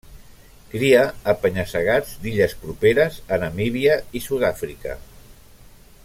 Cria a penya-segats d'illes properes a Namíbia i Sud-àfrica.